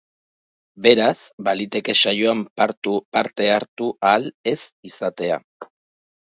Beraz, baliteke saioan parte hartu ahal ez izatea.